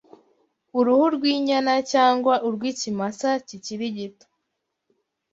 uruhu rw’inyana cyangwa urw’ikimasa kikiri gito